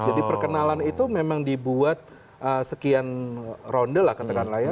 jadi perkenalan itu memang dibuat sekian ronde lah katakanlah ya